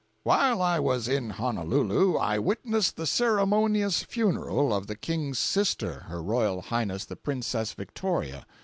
While I was in Honolulu I witnessed the ceremonious funeral of the King's sister, her Royal Highness the Princess Victoria.